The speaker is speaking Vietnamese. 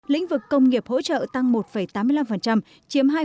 lĩnh vực công nghiệp hỗ trợ tăng một tám mươi năm chiếm hai chín mươi một